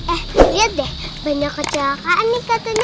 eh lihat deh banyak kecelakaan nih katanya